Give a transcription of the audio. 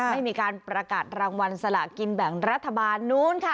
ไม่มีการประกาศรางวัลสละกินแบ่งรัฐบาลนู้นค่ะ